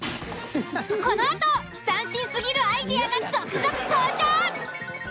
このあと斬新すぎるアイデアが続々登場！